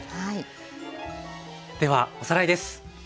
ではおさらいです。